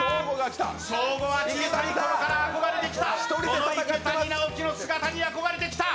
ショーゴは小さいころから憧れてきた、この池谷直樹の姿に憧れてきた。